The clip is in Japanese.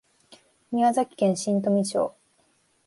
宮崎県新富町